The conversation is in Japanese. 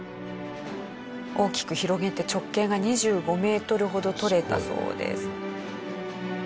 大きく広げて直径が２５メートルほど取れたそうです。